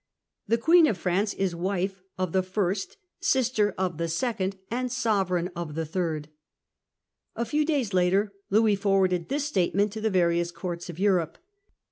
The Queen of France is wife of the first, sister of the second, and sovereign of the third.* A few days later Louis forwarded this statement to the various courts of Europe.